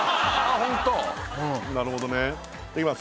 ホントなるほどねいただきます